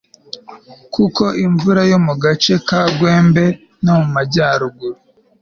kuko imvura yo mu gace ka gwembe no mu majyaruguru